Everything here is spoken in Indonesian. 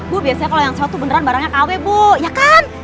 bu biasanya kalau yang sewa tuh beneran barangnya kawet bu ya kan